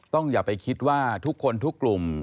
อย่าไปคิดว่าทุกคนทุกกลุ่ม